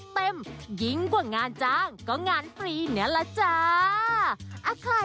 แต่หนูจะเอาอะหนูจะเอาอะ